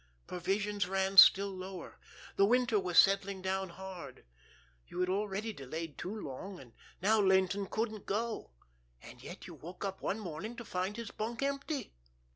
Provisions ran still lower. The winter was settling down hard. You had already delayed too long, and now Laynton couldn't go. And yet you woke up one morning to find his bunk empty."